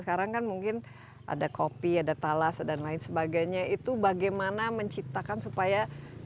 sekarang kan mungkin ada kopi ada talas dan lain sebagainya itu bagaimana menciptakan supaya